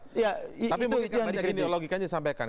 tapi mungkin kan banyak ideologi kan yang disampaikan